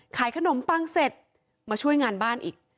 ขายขนมปังเสร็จมาช่วยงานบ้านอีก